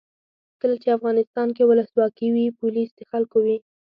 کله چې افغانستان کې ولسواکي وي پولیس د خلکو وي.